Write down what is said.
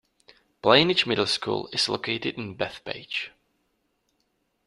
Plainedge Middle School is located in Bethpage.